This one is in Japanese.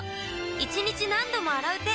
一日何度も洗う手